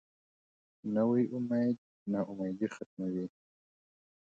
نوی امید نا امیدي ختموي